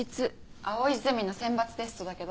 藍井ゼミの選抜テストだけど。